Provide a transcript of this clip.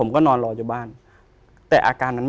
คุณสองไม่ถึง